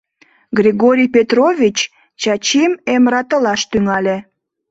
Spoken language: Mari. — Григорий Петрович Чачим эмратылаш тӱҥале.